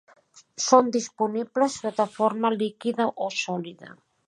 Són disponibles sota forma líquida o sòlida.